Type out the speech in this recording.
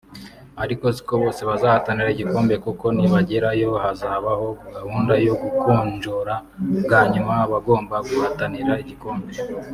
ariko siko bose bazahatanira igikombe kuko nibagerayo hazabaho gahunda yo kujonjora bwa nyuma abagomba guhatanira igikombe